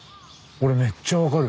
俺めっちゃ分かる。